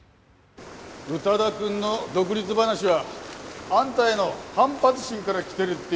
宇多田くんの独立話はあんたへの反発心から来てるっていうじゃない。